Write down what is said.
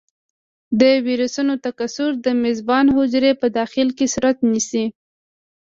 د ویروسونو تکثر د میزبان حجرې په داخل کې صورت نیسي.